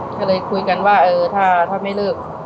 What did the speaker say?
ก็เลยคุยกันว่าเออถ้าไม่เลิก